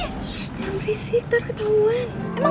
gue yang habisin gue yang pesen